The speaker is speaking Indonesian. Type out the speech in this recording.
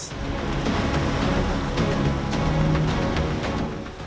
di wilayah desa ini kemungkinan yang terjadi adalah penanganan dari ibu ibu yang berbasis lingkungan